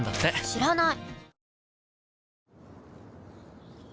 知らない！